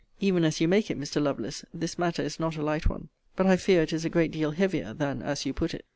Even as you make it, Mr. Lovelace, this matter is not a light one. But I fear it is a great deal heavier than as you put it.